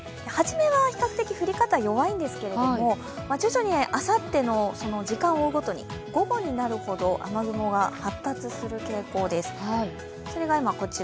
はじめは、比較的降り方弱いんですけど徐々にあさっての時間を追うごとに、午後になるほどに雨雲が発達する傾向です。